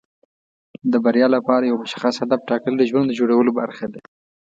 د بریا لپاره یو مشخص هدف ټاکل د ژوند د جوړولو برخه ده.